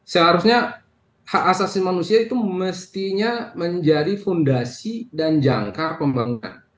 seharusnya hak asasi manusia itu mestinya menjadi fondasi dan jangka pembangunan